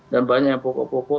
dan banyak pokok pokok